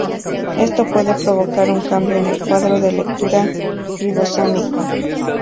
Esto puede provocar un cambio en el cuadro de lectura ribosómico.